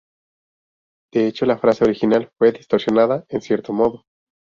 De hecho, la frase original fue distorsionada en cierto modo.